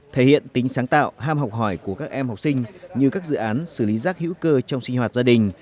thể hiện tính sáng tạo ham học hỏi của các em học sinh như các dự án xử lý rác hữu cơ trong sinh hoạt gia đình